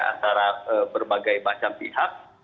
antara berbagai macam pihak